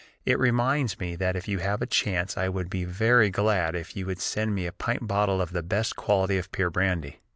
It reminds me that if you have a chance I would be very glad if you would send me a pint bottle of the best quality of pure brandy.